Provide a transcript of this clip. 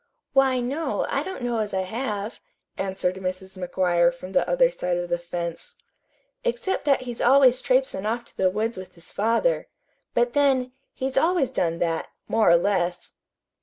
"Why, no, I don't know as I have," answered Mrs. McGuire from the other side of the fence, "except that he's always traipsin' off to the woods with his father. But then, he's always done that, more or less."